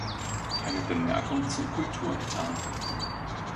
Eine Bemerkung zum Kulturetat.